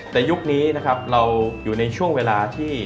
แต่ยุคนี้นะครับเราอยู่ในช่วงเวลาที่